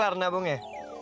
udah kelar nabungnya